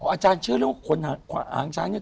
อ๋ออาจารย์เชื่อเรื่องขนหางช้าง